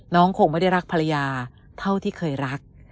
คงไม่ได้รักภรรยาเท่าที่เคยรัก